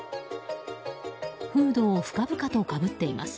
フードを深々とかぶっています。